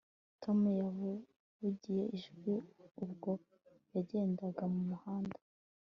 Tom yavugije ijwi ubwo yagendaga mu muhanda